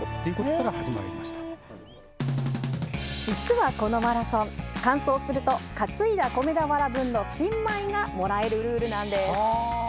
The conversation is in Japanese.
実はこのマラソン完走すると担いだ米俵分の新米がもらえるルールなんです。